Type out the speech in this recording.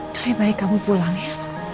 kali ini baik kamu pulang ya